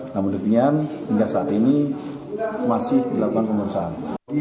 namun demikian hingga saat ini masih dilakukan pemeriksaan